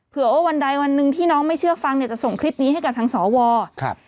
เผื่อว่าวันใดวันหนึ่งที่น้องไม่เชื่อฟังเนี่ยจะส่งคลิปนี้ให้กับทางสวครับ